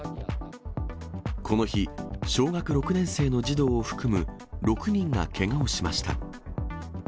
この日、小学６年生の児童を含む６人がけがをしました。